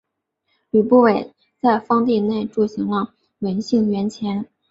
吕不韦在封地内铸行了文信圜钱。